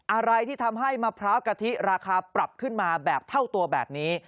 อะไรที่ทำให้มะพร้าวกะทิราคาปรับขึ้นมาแบบเท่าตัวแบบนี้